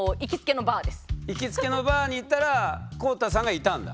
いきつけのバーに行ったら公太さんがいたんだ？